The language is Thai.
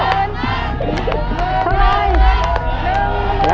เท่าไร